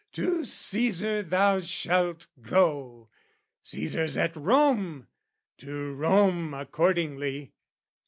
To CAesar thou shalt go! CAesar's at Rome; to Rome accordingly!